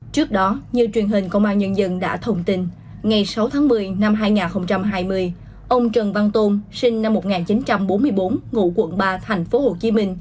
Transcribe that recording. trước đó như truyền hình công an nhân dân đã thông tin ngày sáu tháng một mươi năm hai nghìn hai mươi ông trần văn tôn sinh năm một nghìn chín trăm bốn mươi bốn ngụ quận ba tp hcm